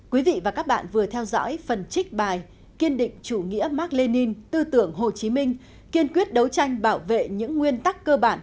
quý vị và các bạn vừa theo dõi phần trích bài kiên định chủ nghĩa mark lenin tư tưởng hồ chí minh kiên quyết đấu tranh bảo vệ những nguyên tắc cơ bản